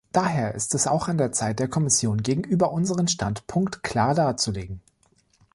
Daher ist es auch an der Zeit, der Kommission gegenüber unseren Standpunkt klar darzulegen.